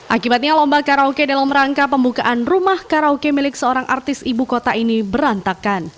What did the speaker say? akibatnya lomba karaoke dalam rangka pembukaan rumah karaoke milik seorang artis ibu kota ini berantakan